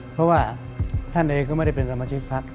เพราะว่าท่านเองก็ไม่ได้เป็นสมาชิกพัก